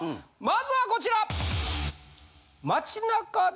まずはこちら！